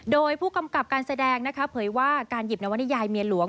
โดยผู้กำกับการแสดงนะคะเผยว่าการหยิบนวนิยายเมียหลวง